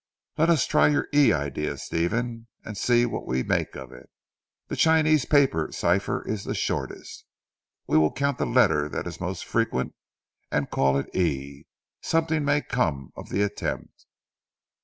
Let us try your "E" idea Stephen, and see what we make of it. The Chinese paper cipher is the shortest. We will count the letter that is most frequent, and call it 'E.' Something may come of the attempt."